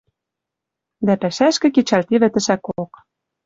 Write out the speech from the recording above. Дӓ пӓшӓшкӹ кечӓлтевӹ тӹшӓкок.